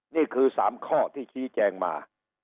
นี่คือ๓ข้อที่ชี้แจงมา